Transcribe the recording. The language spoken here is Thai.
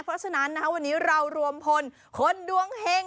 เพราะฉะนั้นวันนี้เรารวมพลคนดวงเห็ง